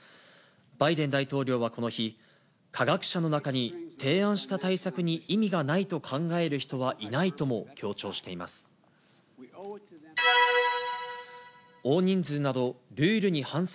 バイデン大統領はこの日、科学者の中に提案した対策に意味がないと考える人はいないとも強調しています。